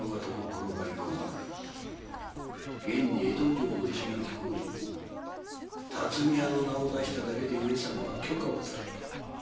現に江戸城の石垣工事も「巽屋」の名を出しただけで上様は許可をされた。